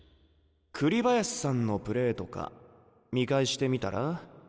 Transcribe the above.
栗林さんのプレーとか見返してみたら？